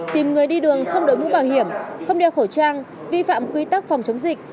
tìm người đi đường không đội mũ bảo hiểm không đeo khẩu trang vi phạm quy tắc phòng chống dịch